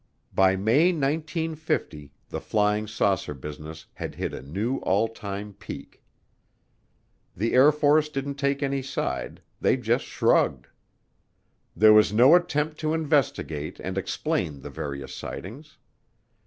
By May 1950 the flying saucer business had hit a new all time peak. The Air Force didn't take any side, they just shrugged. There was no attempt to investigate and explain the various sightings.